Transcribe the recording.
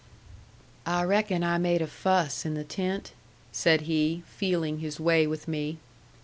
"I reckon I made a fuss in the tent?" said he, feeling his way with me.